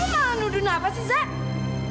kamu malah nuduh nafa sih zat